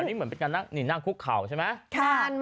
อันนี้เหมือนเป็นการนั่งนี่นั่งคุกเข่าใช่ไหม